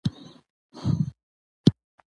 هر کله چې دا امريکنے فلم دے